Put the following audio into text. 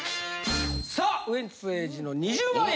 さあウエンツ瑛士の２０万円！